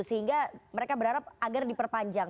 sehingga mereka berharap agar diperpanjang